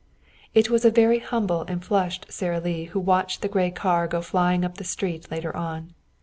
It was a very humble and flushed Sara Lee who watched the gray car go flying up the street later on.